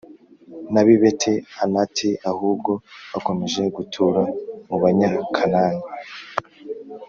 n’ab’i Beti-Anati; ahubwo bakomeje gutura mu Banyakanani